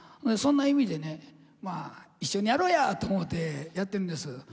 そんな意味でねまあ一緒にやろうや！と思うてやってるんです。